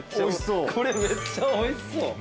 これめっちゃおいしそう。